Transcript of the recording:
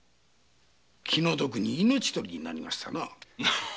お気の毒に命取りになりましたな。